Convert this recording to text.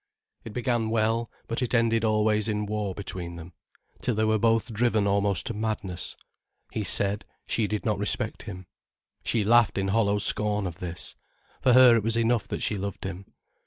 It began well, but it ended always in war between them, till they were both driven almost to madness. He said, she did not respect him. She laughed in hollow scorn of this. For her it was enough that she loved him.